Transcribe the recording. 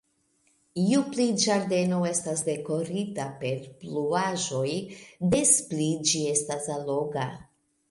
Ju pli ĝardeno estas dekorita per bluaĵoj, des pli ĝi estas alloga.